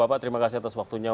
bapak terima kasih atas waktunya